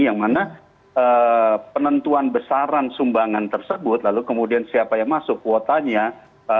yang mana penentuan besaran sumbangan tersebut lalu kemudian siapa yang masuk kuotanya